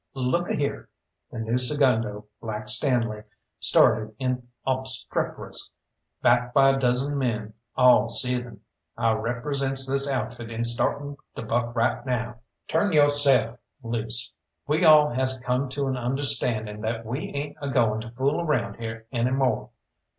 "Look a here," the new segundo, Black Stanley, started in obstreperous, backed by a dozen men, all seething. "I represents this outfit in starting to buck right now!" "Turn yo'self loose." "We all has come to an understanding that we ain't agoin' to fool around here any more.